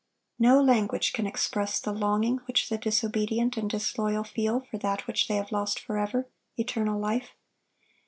No language can express the longing which the disobedient and disloyal feel for that which they have lost forever,—eternal life.